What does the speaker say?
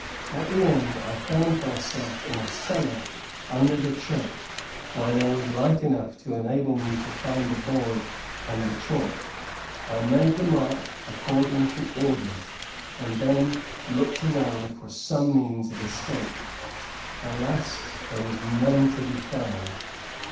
At the end, I found myself in a cellar under the church, where there was light enough to enable me to find the board and the chalk. I made the mark according to orders, and then looked around for some means of escape. Alas! There was none to be found.